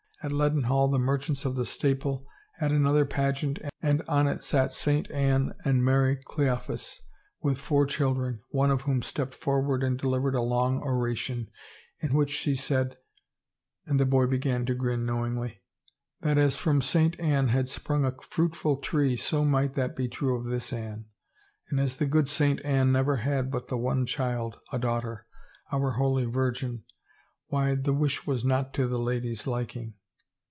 At Leadenhall the merchants of the staple had an other pageant and on it sat Saint Anne and Mary Cleo phas with four children, one of whom stepped forward and delivered a long oration, in which she said," and the boy began to grin knowingly, " that as from Saint Anne had sprung a fruitful tree so might that be true of this Anne, and as the good Saint Anne never had but the one child, a daughter, our Holy Virgin, why the wish was not to the lady's liking.